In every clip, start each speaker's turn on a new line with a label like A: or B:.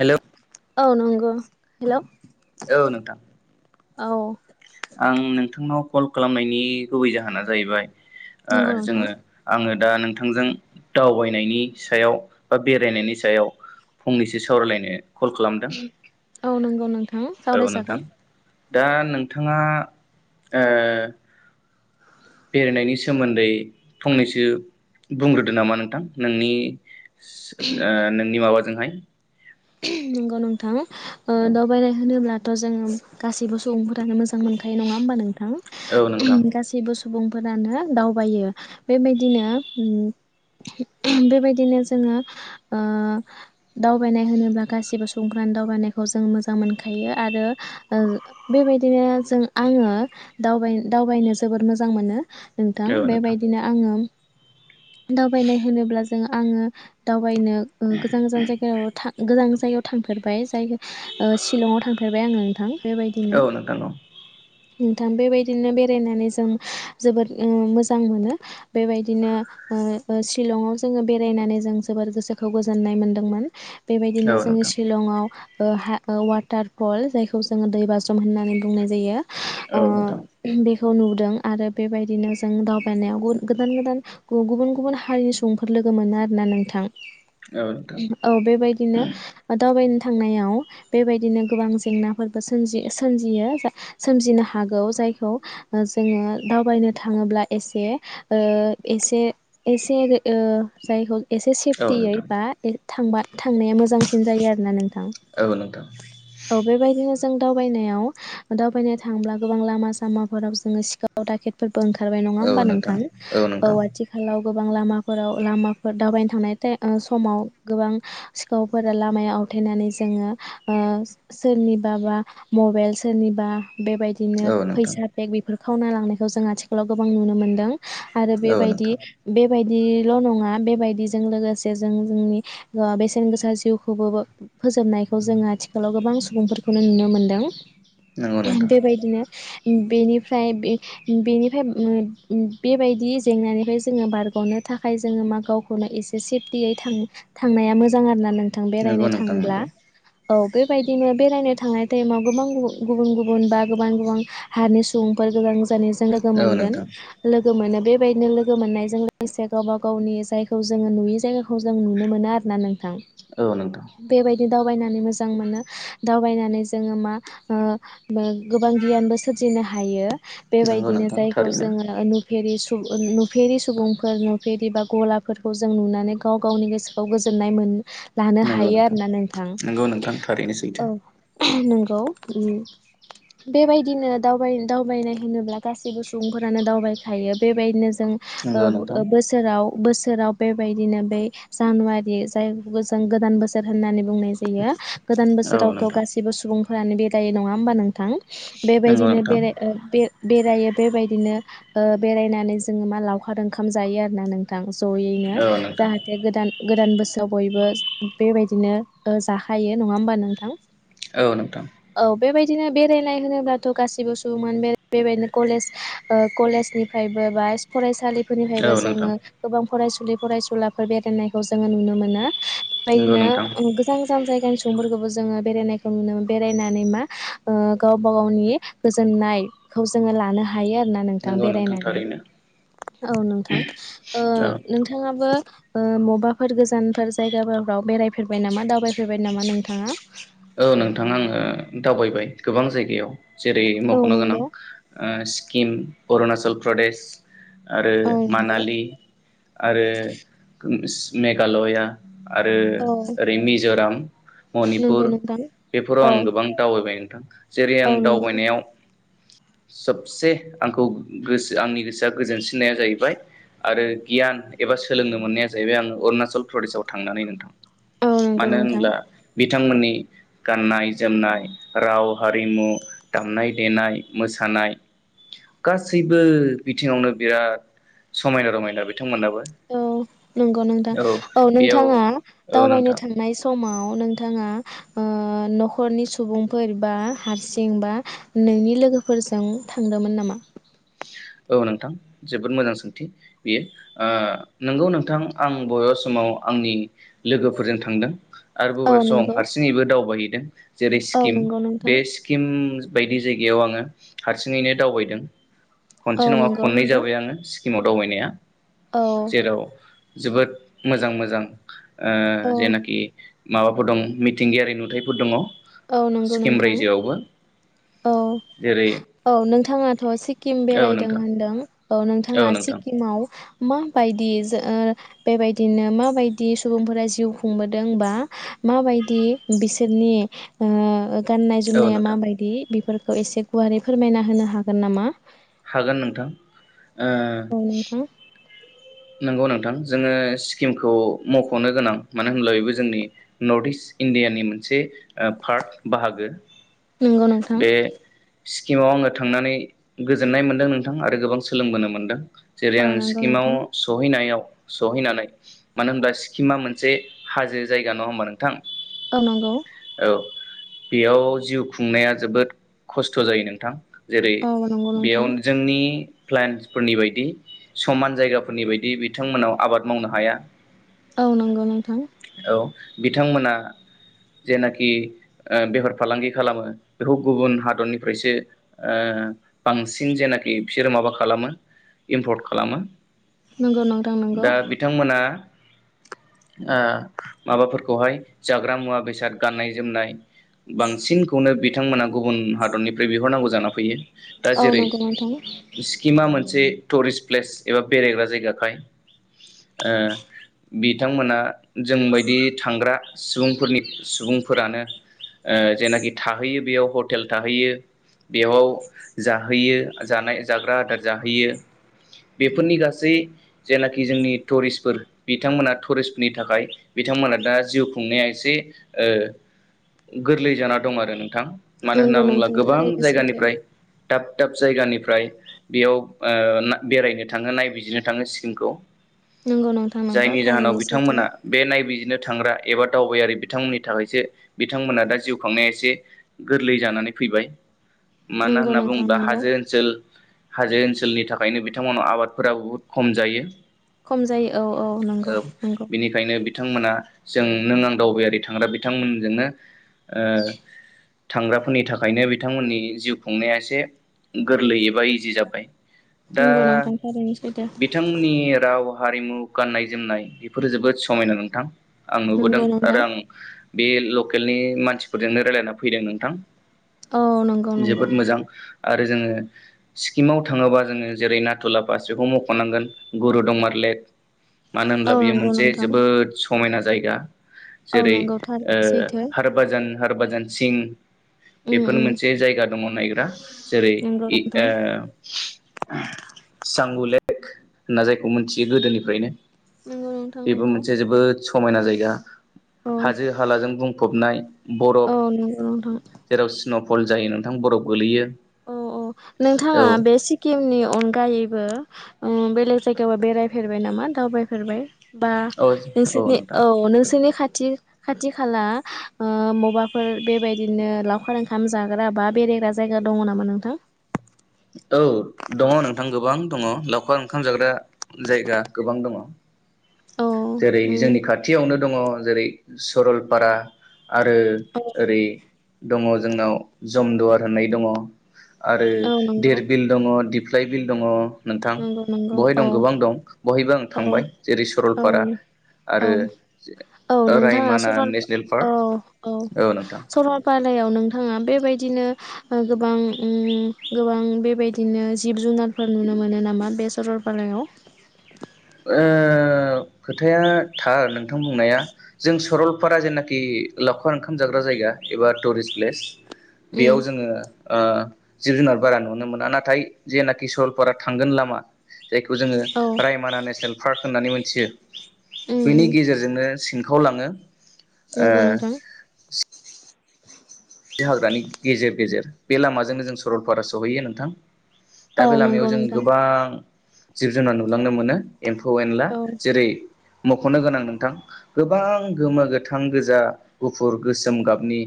A: Hello
B: औ नंगौ । Hello
A: औ नोंथां ।
B: औ ।
A: आं नोंथांनाव कल खालामनायनि गुबै जाहोना जाहैबाय ओ
B: नंगौ नोंथां
A: जोङो आङो दा नोंथांजों दावबायनायनि सायाव बा बेरायनायनि सायाव फंनैसो सावरायलायनो कल खालामदों
B: औ नंगौ नोंथां ।
A: औ नोंथां । दा नोंथाङा ओ बेरायनायनि सोमोन्दै फंनैसो बुंग्रोदो नामा नोंथां नोंनि ओ नोंनि माबा जोंहाय
B: नंगौ नोंथां । ओ दावबायनाय होनोब्ला जोङो गासैबो सुबुंफोरानो मोजां मोनखायो नङा होमबा नोंथां
A: औ नोंथां
B: गासैबो सु सुबुंफोरानो दावबायो बेबायदिनो बेबायदिनो जोङो ओ दावबायनाय होनो गासिबो सुबुंफ्रानो दावबायनायखौ जों मोजां मोनखायो आरो ओ बेबायदिनो जों आङो दावबाय दावबायनो जोबोर मोजां मोनो । नोंथां बेबायदिनो आङो दावबायनाय होनोब्ला जो आङो दाउ थायनो ओ गोजान - गोजान जायगायाव था जों जायाव थांफेरबाय । जाय ओ शिलंआव थांफेरबाय आङो नोंथां
A: औ
B: बेबायदिनो ।
A: नोंथां
B: नोंथां बेबायदिनो बेरायनानै जों जोबोद ओ मोजां मोनो बेबायदिनो ओ शिलंआव जोङो बेरायनानै जों जोबोद गोसोखौ गोजोननाय मोनदोंमोन ।
A: औ
B: बेबायदिनो जोङो
A: नोंथां
B: शिलंआव ओ हा ओ वाटार फल जायखौ जोङो दैबाज्रम होन्नानै बुंनाय जायो
A: औ नोंथां
B: खौ नुदों आरो बेबायदिनो जों दावबायनायाव गुन गोदान गोदान गुबुन गुबुन हारिनि सुबुंफोर लोगो मोनो आरोना नोंथां औ बेबाय [unintelligible] दावबायनो थांनायाव बेबायदिनो गोबां जेंनाफोरबो सोमजि सोमजिनो हागौ जायखौ जोङो दावबायनो थाङोब्ला एसे ओ एसे एसे ओ जायखौ एसे
A: औ
B: सेफटियै
A: नोंथां
B: बा थांबा थांनाय मोजांसिन जायो आरोना नोंथां
A: औ नोंथां
B: औ बेबायदिनो जों दावबायनायाव दावबायनो थांब्ला गोबां लामा सामा फोराव जोङो सिखाव दाखेेद बो ओंखारबाय नङा होमबा नोंथां औ आथिखालाव गोबां लामाफोराव लामाफोर दावबायनो थांनाय समाव गोबां सिखावफोरा लामायाव आवथायेनानै जोङो ओ सोरनिबा बा मबाइल सोरनिबा बेबायदिनो
A: औ नोंथां
B: फैसा बेग बेफोर खावना लांनायखौ जों आथिखालाव गोबां नुनो मोन्दों आरो
A: औ
B: बेबायदि
A: नोंथां
B: बे बायदि ल' नङा बेबायदि जों लोगोसे जों जोंनि सेन गोसा जिउखौबो फोजोबनायखौ जोङो आथिखालाव गोबां सुबुंफोरखौनो नुनो मोनदों
A: नंगौ नोंथां
B: बेबायदिनो बेनिफ्राय बे बेनिफ्राय बेबायदि जेंनानिफ्राय जोङो बारग'नो थाखाय जोङो मा गावखौनो एसे सेफटियै थां थांनाया मोजां जां आरो ना नों थां
A: नंगौ
B: बेरायनो
A: नोंथां
B: थाङोब्ला
A: नंगौ
B: औ बेबायदिनो बेरायनो थांनाय टाइमाव गोबां गुबुन गुबुन बा गोबां गोबां हारनि सुबुंफोर गोजान गोजान लोगो
A: औ
B: मोनगोन
A: नोंथां
B: लो गो मोनो बेबायदिनो लोगो मोननायजों लोगोसे गावबा गावनि जायखौ जोङो नुयि जायगाखौ जों नुनो मोनो आरोना नों थां
A: औ नोंथां
B: बेबाय दावबायनानै मोजां मोनो दावबायनानै जोङो मा ओ मो गोबां गियानबो सोरजिनो हायो
A: नंगौ
B: बेबायदिनो
A: नोंथां
B: जायखौ
A: थारैनो
B: जोङो नु फेरिसु नुफेरि सुबुंफोर नुफेरि बा गलाफोरखौ जों नुनानै गाव गावनि गोसोखौ गोजोन्नाय मोनो [inaudible] लानो हायो आरोना नोंथां
A: नंगौ नोंथां थारैनो सैथो
B: औ नंगौ उम बेबायदिनो दावबाय दावबायनाय होनोब्ला गासैबो सुबुंफोरानो दावबायखायो बेबायदिनो जों ओ
A: नंगौ नोंथां
B: बो बोसोराव बोसोराव बेबायदिनो बे जानुवारि जाय जों गोदान बोसोर होननानै बुंनाय जायो गोदान
A: औ
B: बोसोरावथ
A: नोंथां
B: गासिबो सुबुं [unintelligible] बेदायो नङा होमबा नोंथां
A: नंगौ
B: बेबायदिनो
A: नोंथां
B: बेराय ओ बे बेरायो बेबायदिनो बेरायनानै जोंङो मा लावखार ओंखाम जायो आरोना नोंथां जहैनो
A: औ नोंथां
B: जाहाथे गोदान गोदान बोसोर बयबो बेबायदिनो जाखायो नंङा होमबा नोंथां
A: औ नोंथां
B: औ बेबायदिनो बेरायनाय होनोब्लाथ गासिबो सुबुंङानो बे बेबायदिनो कलेज कलेजनिफ्रायबो बा फरायसालि फोरनिफ्रायबो
A: औ नोंथां
B: जोंङो गोबां फरायसुलि फरायसुलाफोर बेरायनायखौ जोंङो नुनो मोनो मोनो
A: नंगौ
B: बेफोरबादिनो
A: नोंथां
B: गोजान गोजान जायगानि सुबुं सुबुंफोरखौबो जोंङो बेरायनायखौ नुनो मोनो बेरायनानै मा गावबा गावनि गोजोननायखौ जोंङो लानो हा हायो आरोना नोंथां
A: नंगौ
B: बेरायनानै
A: थारैनो
B: औ नोंथां ओ
A: औ
B: नोंथाङाबो ओ मबाफोर गोज गोजानफोर जायगाफोरफ्राव बेरायफेरबाय नामा दावबायफेरबाय नामा नोंथाङा
A: दावबाय गोबां जायगायाव जेरै
B: औ
A: मखनो गोनां
B: नंगौ
A: स्किम अरुणचल प्रदेश आरो
B: औ नंगौ
A: मानालि आरो मेघालया आरो
B: औ
A: ओरै मिजराम
B: नंगौ
A: मनिपुर
B: नोंथां
A: बेफोराव
B: औ
A: आं गोबां दावबायनाय नों [unintelligible] जेरै
B: औ
A: आं
B: नंगौ
A: दावबायनायाव सबसे आंखौ गोसो आंनि गोसोआ गोजोनसिननाया जाहैबाय आरो गियान एबा सोलोंनो मोननाया जाहैबाय आं अरुणाचल प्रदेशाव थांनानै नोंथां
B: औ नंगौ
A: मानो
B: नोंथां
A: होनब्ला बिथांमोननि गाननाय जोमनाय राव हारिमु दामनाय देनाय मोसानाय गासैबो बिथिङावनो बिराद समायना रमायना बिथां
B: औ नंगौ नोंथां औ
A: बेयाव
B: नोंथाङा
A: औ
B: दावबायनो
A: नोंथां
B: थानाय समाव नोंथाङा नखरनि सुबुंफोर बा हारसिं बा नोंनि लोगोफोरजों थांदोंमोन नामा?
A: औ नोंथां जोबोद मोजां सोंथि बियो ओ नंगौ नोंथां आं बबेबा समाव आंनि लोगोफोरजों थांदों। आरो
B: औ
A: बबे सम
B: नंगौ
A: हारसिङैबो दावबायहैदों जेरै
B: औ
A: स्किम
B: नंगौ नोंथां
A: बे स्किम बायदि जायगायाव आङो हारसिङैनो दावबायदों
B: औ
A: खनसे नङा
B: नंगौ
A: खननै
B: नंगौ
A: जाबाय आङो सिमाव दावबायनाया
B: औ
A: जेराव जोबोद मोजां मोजां
B: औ
A: ओ जेनाखि माबाफोर दं मिथिंगायारि नुथायफोर दङ।
B: औ नंगौ
A: सिक्किम
B: नोंथां
A: रायजोआवबो
B: औ
A: जेरै
B: औ नोंथांङाथ' टिम
A: औ
B: बेरायदों
A: नोंथां
B: होनदों औ
A: औ
B: नोंथाङा
A: नोंथां
B: सिक्किमाव माबायदि ओ बेबायदिनो माबायदि सुबुंफोरा जिउ खुंबोदों बा माबायदि बिसोरनि ओ गाननाय
A: औ
B: जोमनाया
A: नोंथां
B: माबायदि बेफोर खौ एसे गुवारै फोरमायना होनो हागोन नामा?
A: हागोन नोंथां ओ
B: औ नोंथां
A: नंगौ नोंथां जोङो सिक्किमखौ मख'नो गोनां मानो होनब्ला बेबो जोंनि नर्थ इस्ट इण्डियानि मोनसे पार्ट बाहागो
B: नंगौ नोंथां
A: बे सिक्किमाव आङो थांनानै गोजोननाय मोन्दों नोंथां आरो गोबां सोलोंबोनो मोन्दों जेरै
B: औ
A: आं
B: नंगौ
A: सिक्किमाव
B: नोंथां
A: सहैनायाव सहैनानै मानो होनबब्ला सिक्किमा मोनसे हाजो जायगा नङा होमबा नोंथां
B: औ नंगौ
A: बेयाव जिउ खुंनाया जोबोद खस्थ' जायो नोंथां जेरै
B: औ नंगौ नोंथां
A: बेयाव जोंनि प्लन्टसफोरनि बायदि समान जायगाफोरनि बायदि बिथांमोनाव आबाद मावनो हाया
B: औ नंगौ नोंथां
A: बिथांमोना जेनाखि बेहार फालांगि खालामो बेखौ गुबुन हादरनिफ्रायसो ओ बांसिन जेनाखि बिसोरो माबा खालामो इम्पर्ट खालामो
B: नंगौ नोंथां नंगौ
A: दा बिथांमोना ओ माबाफोरखौहाय जाग्रा मुवा बेसाद गाननाय जोमनाय बांसिनखौनो बि थांमोना गुबुन हादरनिफ्राय बै बिहरनांगौ जाना फैयो दा
B: औ
A: जेरै
B: नंगौ नोंथां
A: स्किमा मोनसे टुरिस्ट प्लेस एबा बेरायग्रा जायगाखाय ओ बिथांमोना जोंबायायदि थांग्रा सुबुंफोरनि सुबुंफोरानो ओ जेनाखि था हैयो बेयाव हटेल थाहैयो बेयाव जाहैयो जानाय जाग्रा आदार जाहैयो बेफोरनि गासै जेनाखि जोंनि टुरिस्टफोर बिथांमोना टुरिस्टनि थाखाय बिथांमोना दा जिउ खुंनाया एसे ओ गोरलै जाना दं आरो नों थां। मानो होनना
B: नंगौ
A: बुङोब्ला
B: नोंथां
A: गोबां
B: थारैनो सैथो
A: जायगानिफ्राय दाब दाब जायगानिफ्राय बेयाव ओ बेरायनो थाङो नायबिजिरनो थाङो सिक्किमखौ।
B: नंगौ नोंथां नंगौ
A: जायनि जाहोनाव
B: थारैनो सैथो
A: बिथांमोना बे नायबिजिरनो थांग्रा एबा दावबायारि बिथांमोननि थाखायसो बिथांमोना दा जिउ खांनाया एसे गोरलै जानानै फैबाय। मानो
B: नंगौ
A: होनना
B: नोंथां
A: बुङोब्ला
B: नंगौ
A: हाजो ओनसोल हाजो ओनसोलनि थाखायनो बि थांमोननाव आबादफोराबो बुहुत खम जायो।
B: खम जायो औ औ नंगौ नंगौ।
A: थांमोना जों नों आं दावबायारि थांग्रा बिथांमोनजोंनो ओ थांग्राफोरनि थाखायनो बिथांमोननि जिउ खुंनाया एसे गोरलै एबा इजि जाबाय। दा
B: नंगौ नोंथां थारैनो सैथो
A: बिथांमोननि राव हारिमु गाननाय जोमनाय बेफोरो जोबोद समायना नोंथां। आं नुबोदों
B: नंगौ नोंथां
A: आरो आं बे लकेलनि मानसिफोरजोंनो रायलायना फैदों नोंथां
B: औ नंगौ नंगौ।
A: जोबोद मोजां आरो जोङो सिक्किमाव थाङोबा जोङो जेरै नाथुला पास बेखौ मख'नांगोन गुरुदंमार लेक मानो
B: औ
A: होनब्ला बेयो
B: नंगौ
A: मोनसे
B: नोंथां
A: जोबोद समायना जायगा
B: औ
A: जेरै
B: नंगौ
A: ओ
B: थारैनो सैथो
A: हार बाजान हार बजान सिं
B: उम
A: बेफोर
B: उम
A: मोनसे जायगा दङ नायग्रा। जेरै
B: नंगौ
A: इ
B: नोंथां
A: ओ सांगु लेक होनना जायखौ मोनथियो गोदोनिफ्रायनो
B: नंगौ नोंथां
A: बेबो
B: नंगौ
A: मोनसे जोबोद स समायना जायगा।
B: औ
A: हाजो हालाजों बुंफबनाय। बरफ
B: औ नंगौ नोंथां
A: जेराव स्न' फल जायो नोंथां बराव गोलैयो।
B: अ अ नोंथाङा
A: औ
B: बे सिकिमनि अनगायैबो ओ बेलेग जायगायावबो बेरायफेरबाय नामा दावबायफेरबाय? बा
A: औ
B: नोंसोरनि औ नोंसोरनि खाथ थि खाथि खाला ओ मबेबाफोर बेबायदिनो लावखार ओंखाम जाग्रा बा बेरायग्रा जायगा दङ नामा नोंथां?
A: औ दङ नोंथां गोबां दङ लावखार ओंखाम जाग्रा जायगा गोबां दङ।
B: औ
A: जेरै
B: उम
A: जोंनि खाथियावनो दङ जेरै सरलपारा आरो
B: औ
A: ओरै दङ जोंनाव जमदुवार होननाय दङ। आरो
B: औ नंगौ
A: धिरबिल दङ दिप रायबिल दङ। नोंथां
B: नंगौ नंगौ
A: बहाय
B: औ
A: दं गोबां दं बहायबो आं
B: औ
A: थांबाय जेरै
B: औ
A: सरलपारा
B: औ
A: आरो
B: औ नोंथाङा
A: रायमना
B: सरल
A: नेसनेल पार्क
B: अ औ सरलपारायाव नोंथाङा बेबायदि दिनो ओ गोबां ओम गोबां बेबायदिनो जिब जुनारफोर नुनो मोनो नामा बे सरलपालायाव?
A: ओ खोथाया थार नोंथां बुंनाया। जों सरलपारा जेनाखि लावखार ओंखाम जाग्रा जायगा एबा टुरिस्ट प्लेस
B: उम
A: बेयाव जोङो ओ जिब जुनार बारा नुनो मोना नाथाय जेनाखि सरलपारा थांगोन लामा जायखौ जोङो
B: औ
A: रायमाना नेस नेल पार्क होननानै मोनथियो
B: उम
A: बिनि
B: उम
A: गेजेरजोंनो सिंखाव लाङो।
B: नंगौ नोंथां।
A: बे हाग्रानि गेजेर गेजेर बे लामाजोंनो जों सरलपारा सहैयो नोंथां। दा
B: औ
A: बे लामायाव
B: नंगौ
A: जों
B: नोंथां
A: गोबां जिब जुनार नुलांनो मोनो एम्फौ एनला
B: औ
A: जेरै मख'नो गोनां नोंथां गोबां गोमो, गोथां, गोजा, गुफुर, गोसोम गाबनि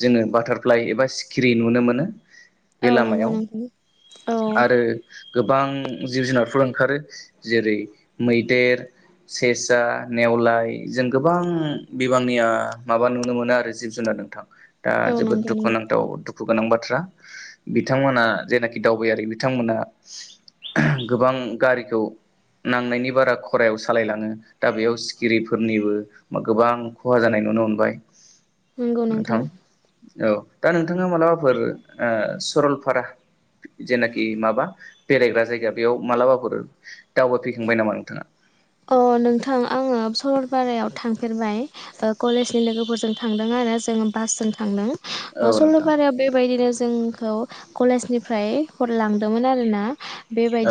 A: जोङो बाटारफ्लाइ एबा सिखिरि नुनो मोनो। बे
B: औ नंगौ
A: लामायाव
B: नोंथां औ
A: आरो गोबां जिब जुनारफोर ओंखारो जेरै मैदेर, सेसा, नेवलाय जों गोबां बिबांनिया माबा नुनो मोनो आरो जिब जुनार नोंथां। दा
B: औ
A: जोबोद
B: नंगौ नोंथां
A: दुखुनांथाव दुखु गोनां बाथ्रा। बिथांमोना जेनाखि दावबायारि बिथांमोना गोबां गारिखौ नांनायनि बारा खरायाव सालायलाङो दा बेयाव सिखिरिफोरनिबो गोबां खहा जानाय नुनो मोनबाय।
B: नंगौ नोंथां।
A: औ दा नों थाङा मालाबाफोर ओ। सरलपारा जेनाखि माबा बेरायग्रा जायगा बेयाव मालाबाफोर दावबायफैखांबाय नामा नोंथाङा?
B: अ नोंथां आङो सरलपारायाव थांफेरबाय कलेजनि लोगोफोरजों थांदों आरो जों बासजों थांदों।
A: औ नोंथां
B: सलफारा बे बायदिनोस जोंखौ कलेजनिफ्राय हरलांदोंमोन आरोना।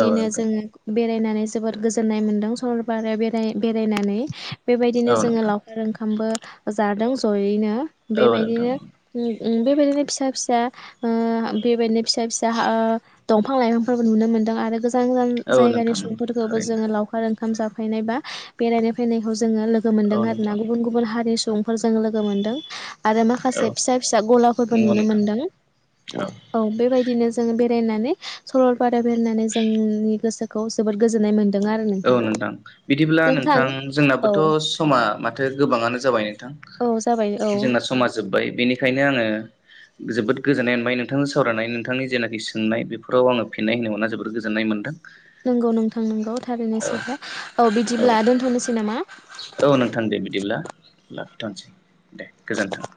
A: औ नोंथां
B: जोङो। बेरायनानै जोबोद गोजोन्नाय मोन्दों सर आरो बेराय बेरायनानै बेबायदिनो
A: औ
B: जोङो
A: नोंथां
B: लावखार ओंखामबो जादों। जयैनो
A: औ नोंथां
B: बेबायदिनो यै बेबायदिनो फिसा फिसा ओ बेबाय फिसा। फिसाहा दंफां लाइफांफोरबो नुनो मोनदों आरो गोज जान गोजान
A: औ
B: जायगानि
A: नोंथां
B: सुबुंफोरखौबो
A: थारैनो
B: जोङो लावखार। थामजाब थानायबा बेरायना फैनायखौ ज जोङो लोगो मोनदों
A: औ
B: आरोना
A: नोंथां
B: गुबुन गुबुन हारि सु बुंफोरजों लोगो मोनदों। आरो
A: औ
B: माखासे फिसा फिसा गलाफोरबो
A: नंगौ
B: नुनो
A: नोंथां
B: मोनदों औ बेबायदिनो जोङो बे नानै सरलपारा फरायनानै जोंनि गोसोखौ जोबोद गोजोन्नाय मोन दों आरो नोंथां।
A: बिदिब्ला नोंथां
B: औ
A: जोंनाबोथ' समा माथो गोबाङानो जाबाय नो।
B: औ जाबाय औ
A: जोंना समाज जोब्बाय बेनिखायनो आङो। जोबोद गोजोननाय मोनबाय नोंथांजों सावरायनाय नोंथांनि जेनाखि सोंनाय बेफोराव आङो फिन्नाय होनो मोनना जोबोद गोजोननाय मोनदों।
B: नंगौ नोंथां नंगौ।
A: औ
B: नोसै औ बिदिब्ला दोनथ'नोसै नामा?
A: दानसै। दे गोजोन्थों।